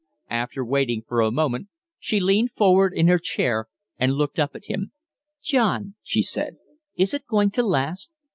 After waiting for a moment, she leaned forward in her chair and looked up at him. "John," she said, "is it going to last?